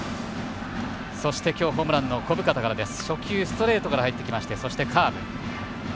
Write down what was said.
そして、今日、ホームランの小深田です。